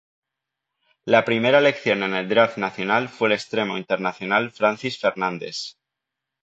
La primera elección en el "draft" nacional fue el extremo internacional Francis Fernandes.